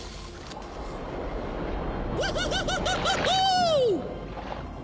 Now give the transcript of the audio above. ウフフフフフフ！